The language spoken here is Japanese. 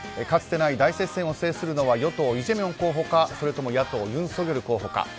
かつてない大接戦を制するのは与党イ・ジェミョン候補かそれとも野党ユン・ソギョル候補か。